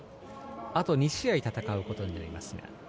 あと２試合戦うことになります。